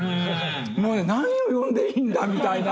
もうね何を読んでいいんだみたいな。